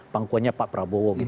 pangkuannya pak prabowo